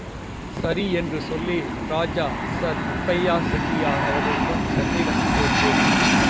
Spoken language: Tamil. சரி என்று சொல்லி ராஜா சர் முத்தையா செட்டியார் அவர்களுடன் சென்னை வந்து சேர்ந்தேன்.